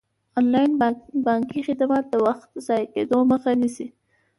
انلاین بانکي خدمات د وخت د ضایع کیدو مخه نیسي.